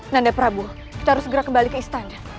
nanda prabu kita harus segera kembali ke istana